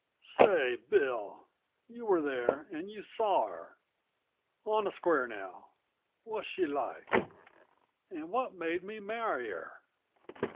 "Say, Bill, you were there, and you saw her. On the square now what's she like? And what made me marry her?"